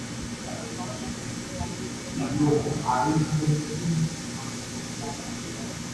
Nazioarteko mailan diskografia industriaren egoera ezagutzea ahalbidetzen du topagune honek.